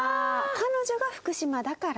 彼女が福島だから。